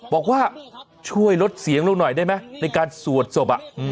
บอกว่าช่วยลดเสียงเราหน่อยได้ไหมในการสวดศพ